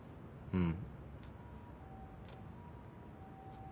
うん。